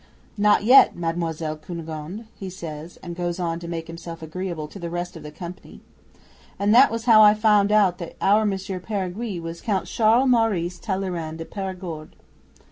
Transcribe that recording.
'"Not yet, Mademoiselle Cunegonde," he says, and goes on to make himself agreeable to the rest of the company. And that was how I found out our Monsieur Peringuey was Count Charles Maurice Talleyrand de Perigord.